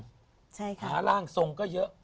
ใช่ค่ะ